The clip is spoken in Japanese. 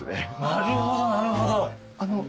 なるほどなるほど。